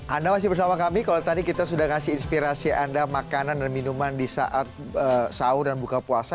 anda masih bersama kami kalau tadi kita sudah kasih inspirasi anda makanan dan minuman di saat sahur dan buka puasa